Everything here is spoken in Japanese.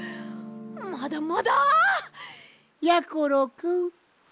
まだまだ！やころくん。